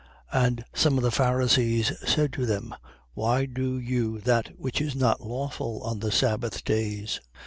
And some of the Pharisees said to them: Why do you that which is not lawful on the sabbath days?